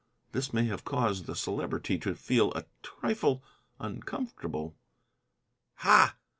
This may have caused the Celebrity to feel a trifle uncomfortable. "Ha!"